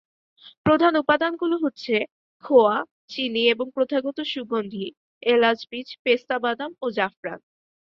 প্রধান উপাদানগুলো হচ্ছে খোয়া, চিনি এবং প্রথাগত সুগন্ধি, এলাচ বীজ, পেস্তা বাদাম ও জাফরান।